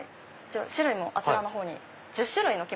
種類もあちらのほうに１０種類。